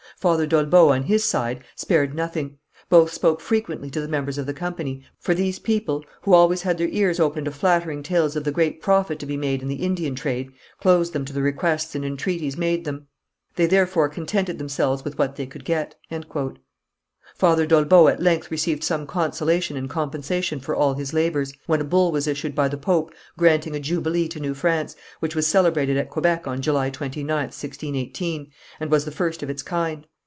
Father d'Olbeau, on his side, spared nothing; both spoke frequently to the members of the company, but in vain, for these people, who always had their ears open to flattering tales of the great profit to be made in the Indian trade, closed them to the requests and entreaties made them. They therefore contented themselves with what they could get." Father d'Olbeau at length received some consolation and compensation for all his labours, when a bull was issued by the pope, granting a jubilee to New France, which was celebrated at Quebec on July 29th, 1618, and was the first of its kind.